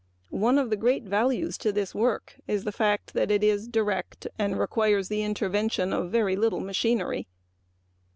One of the great values to this work is the fact that it is direct and requires the intervention of very little machinery.